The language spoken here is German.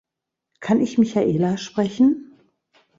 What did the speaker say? Kann ich Michaela sprechen?